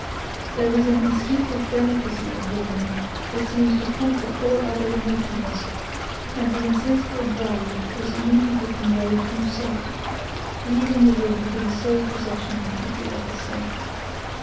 There is an instinctive delicacy in woman, that seems to conquer all other emotions; and the insensible bride was immediately conveyed from sight, leaving the room to the sole possession of the other sex.